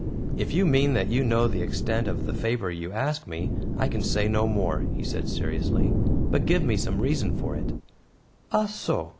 "If you mean that you know the extent of the favor you ask of me, I can say no more," he said seriously; "but give me some reason for it." "Ah so!"